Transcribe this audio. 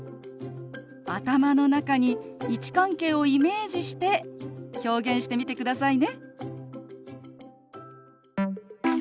頭の中に位置関係をイメージして表現してみてくださいね。